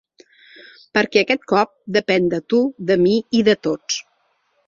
Perquè aquest cop depèn de tu, de mi i de tots.